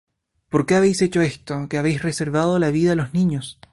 ¿Por qué habéis hecho esto, que habéis reservado la vida á los niños?